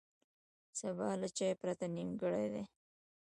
سبا له چای پرته نیمګړی دی.